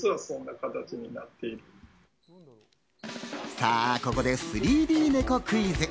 さぁ、ここで３Ｄネコクイズ。